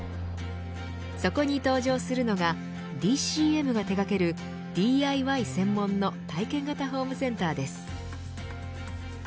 そこに登場するのがＤＣМが手掛けるＤＩＹ専門の体験型ホームセンターです。